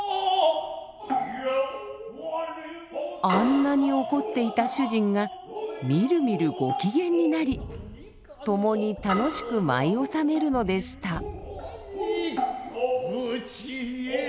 あんなに怒っていた主人がみるみるご機嫌になり共に楽しく舞い納めるのでした。